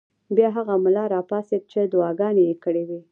بیا هغه ملا راپاڅېد چې دعاګانې یې کړې وې.